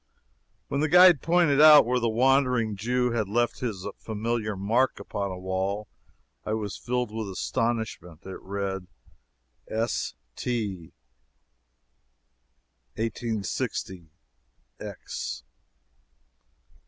When the guide pointed out where the Wandering Jew had left his familiar mark upon a wall, I was filled with astonishment. It read: "S. T. 1860 X."